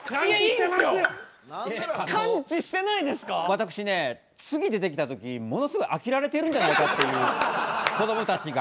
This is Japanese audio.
私ね次出てきた時ものすごい飽きられてるんじゃないかっていうこどもたちが。